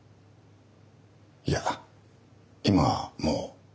いや今はもう。